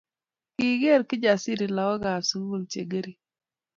Kiker Kijasiri lagokab sukul chengering